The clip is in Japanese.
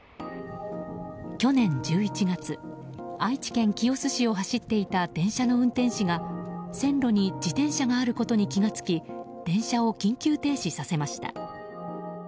去年１１月愛知県清須市を走っていた電車の運転士が線路に自転車があることに気づき電車を緊急停止させました。